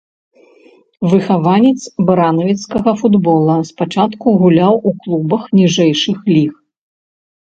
Выхаванец баранавіцкага футбола, спачатку гуляў у клубах ніжэйшых ліг.